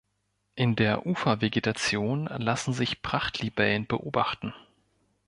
In der Ufervegetation lassen sich Prachtlibellen beobachten.